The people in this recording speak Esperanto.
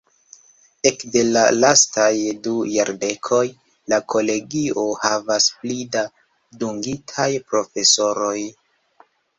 Ekde la lastaj du jardekoj, la kolegio havas pli da dungitaj profesoroj.